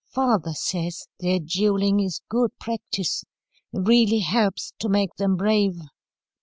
Father says their duelling is good practice. It really helps to make them brave.